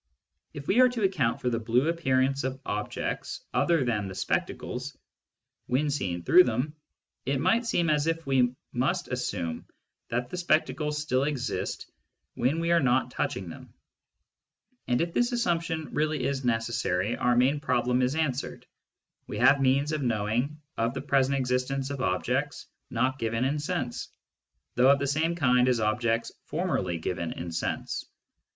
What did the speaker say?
If we are to account for the blue appearance of objects other than the spectacles, when seen through them, it might seem as if we must assume that the spectacles still exist when we are not touching them ; and if this assumption really is neces sary, our main problem is answered : we have means of knowing of the present existence of objects not given in sense, though of the same kind as objects formerly given in sense.